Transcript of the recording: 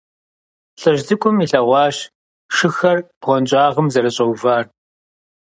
ЛӀыжь цӀыкӀум илъэгъуащ шыхэр бгъуэнщӀагъым зэрыщӀэувар.